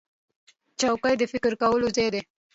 چوکۍ د فکر کولو ځای دی.